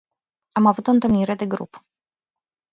Am avut o întâlnire de grup.